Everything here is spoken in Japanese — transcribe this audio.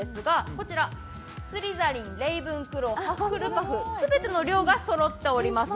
こちら、スリザリン、レイブンクロー、全ての寮がそろっております。